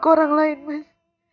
ke orang lain mas